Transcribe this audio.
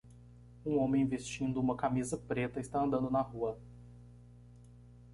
Um homem vestindo uma camisa preta está andando na rua.